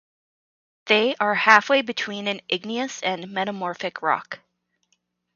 They are halfway between an igneous and metamorphic rock.